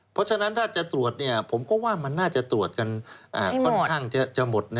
เพราะฉะนั้นถ้าจะตรวจผมก็ว่ามันน่าจะตรวจกันค่อนข้างจะหมด